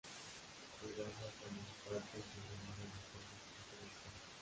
Llegando a formar parte integral del acervo cultural chino.